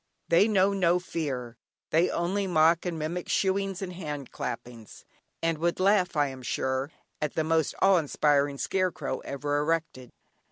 They know no fear; they only mock and mimic "shooings" and hand clappings, and would laugh, I am sure, at the most awe inspiring scare crow ever erected.